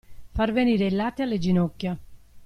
Far venire il latte alle ginocchia.